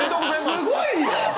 すごいよ！